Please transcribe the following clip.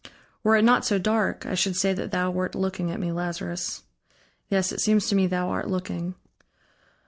Were it not so dark, I should say that thou wert looking at me, Lazarus. Yes, it seems to me, thou art looking....